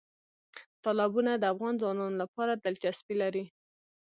تالابونه د افغان ځوانانو لپاره دلچسپي لري.